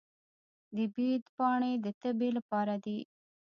د بید پاڼې د تبې لپاره دي.